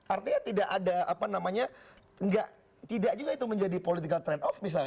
artinya tidak ada apa namanya tidak juga itu menjadi political train off misalnya